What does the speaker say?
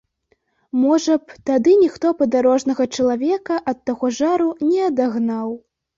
Можа б, тады ніхто падарожнага чалавека ад таго жару не адагнаў.